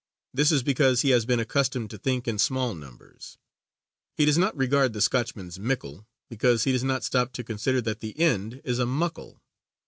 This is because he has been accustomed to think in small numbers. He does not regard the Scotchman's "mickle," because he does not stop to consider that the end is a "muckle."